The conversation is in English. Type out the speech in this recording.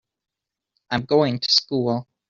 I'm going to school.